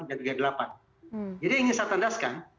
jadi ini saya tendaskan kita betapa pun kita memiliki